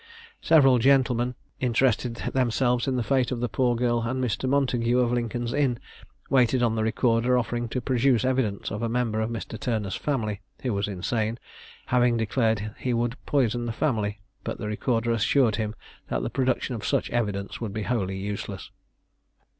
Several gentlemen interested themselves in the fate of the poor girl; and Mr. Montagu, of Lincoln's Inn, waited on the recorder, offering to produce evidence of a member of Mr. Turner's family, who was insane, having declared that he would poison the family; but the recorder assured him that the production of such evidence would be wholly useless.